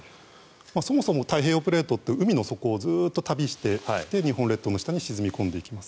そもそも太平洋プレートって海の底をずっと旅して日本列島の下に沈み込んでいきます。